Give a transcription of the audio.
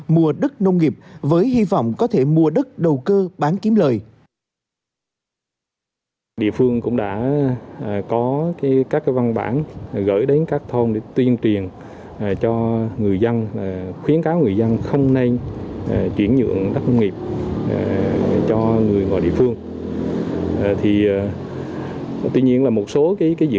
mua đất nông nghiệp với hy vọng có thể mua đất đầu cơ bán kiếm lời